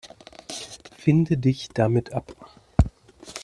Finde dich damit ab.